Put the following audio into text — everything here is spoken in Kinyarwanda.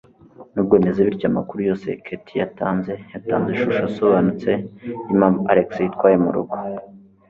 Nubwo bimeze bityo, amakuru yose Katie yatanze yatanze ishusho isobanutse yimpamvu Alex yitwaye murugo.